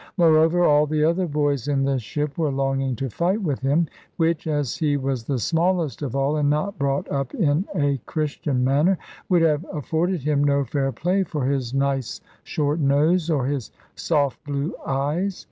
Moreover, all the other boys in the ship were longing to fight with him, which (as he was the smallest of all, and not brought up in a Christian manner) would have afforded him no fair play for his nice short nose, or his soft blue eyes.